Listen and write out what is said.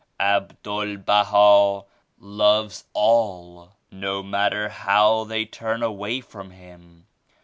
Abdul Baha loves all no matter how they turn away from him.